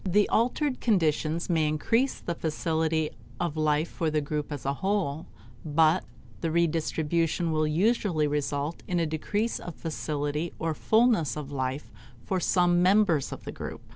The altered conditions may increase the facility of life for the group as a whole, but the redistribution will usually result in a decrease of facility or fullness of life for some members of the group.